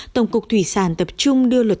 tổng cục thủy sản tập trung đưa luật